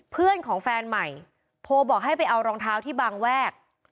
เพื่อนของแฟนใหม่โทรบอกให้ไปเอารองเท้าที่บางแวก